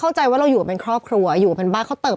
ทำงานครบ๒๐ปีได้เงินชดเฉยเลิกจ้างไม่น้อยกว่า๔๐๐วัน